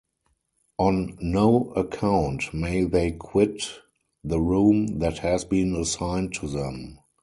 On no account may they quit the room that has been assigned to them.